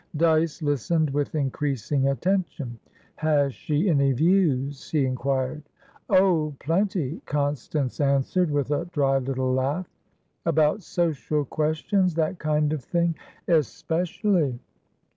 Dyce listened with increasing attention. "Has she any views?" he inquired. "Oh, plenty!" Constance answered, with a dry little laugh. "About social questionsthat kind of thing?" "Especially."